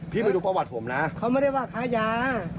ไปดูประวัติผมนะเขาไม่ได้ว่าค้ายา